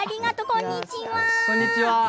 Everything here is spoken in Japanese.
こんにちは。